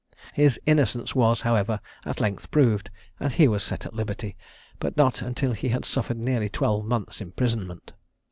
His innocence was, however, at length proved, and he was set at liberty, but not until he had suffered nearly twelve months' imprisonment.